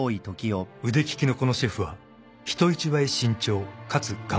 ［腕利きのこのシェフは人一倍慎重かつ頑固者だ］